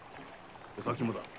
お咲もだ。